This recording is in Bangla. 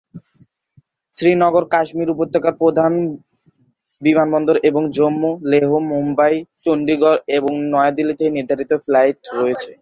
শ্রীনগর কাশ্মীর উপত্যকার প্রধান বিমানবন্দর এবং জম্মু, লেহ, মুম্বাই, চণ্ডীগড় এবং নয়াদিল্লি থেকে নির্ধারিত ফ্লাইট রয়েছে।